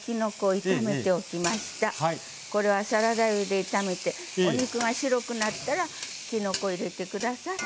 これはサラダ油で炒めてお肉が白くなったらきのこ入れて下さい。